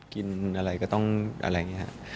กินอะไรก็ต้องอะไรอย่างนี้ครับ